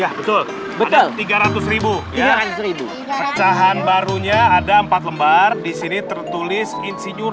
tiga ratus ya betul betul tiga ratus ya dan seribu pecahan barunya ada empat lembar disini tertulis insinyur